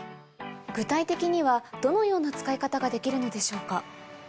具体的にはどのような使い方ができるのでしょうか？